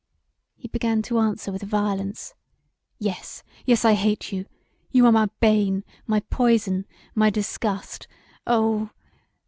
He began to answer with violence: "Yes, yes, I hate you! You are my bane, my poison, my disgust! Oh!